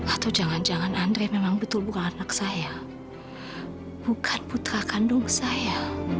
atau jangan jangan andre memang betul bukan anak saya bukan putra kandung saya